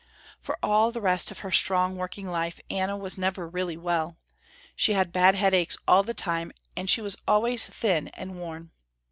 For all the rest of her strong working life Anna was never really well. She had bad headaches all the time and she was always thin and worn.